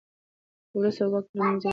د ولس او واک ترمنځ يې واټن کم کړ.